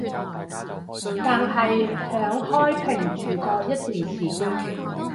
但係響開平住過一段時間